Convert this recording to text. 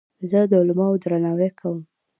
زه د علماوو درناوی کوم.